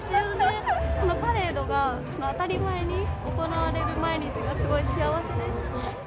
パレードが当たり前に行われる毎日が、すごい幸せです。